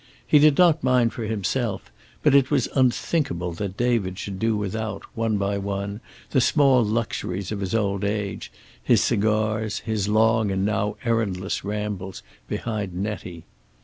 He did not mind for himself, but it was unthinkable that David should do without, one by one, the small luxuries of his old age, his cigars, his long and now errandless rambles behind Nettie.